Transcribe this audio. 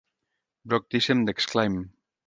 Brock Thiessen d'Exclaim!